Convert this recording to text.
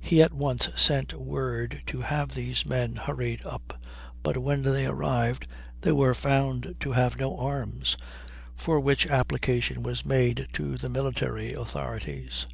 He at once sent word to have these men hurried up, but when they arrived they were found to have no arms, for which application was made to the military authorities.